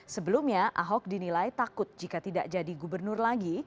sebelumnya ahok dinilai takut jika tidak jadi gubernur lagi